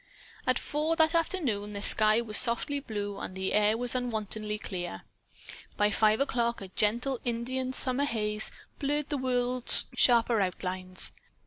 At four o'clock that afternoon the sky was softly blue and the air was unwontedly clear. By five o'clock a gentle India summer haze blurred the world's sharper outlines.